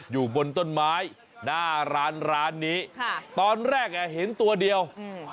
อยู่บนต้นไม้หน้าร้านร้านนี้ค่ะตอนแรกอ่ะเห็นตัวเดียวอืม